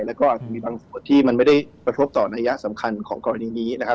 แล้วก็อาจจะมีบางส่วนที่มันไม่ได้กระทบต่อนัยยะสำคัญของกรณีนี้นะครับ